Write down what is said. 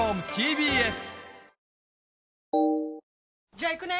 じゃあ行くね！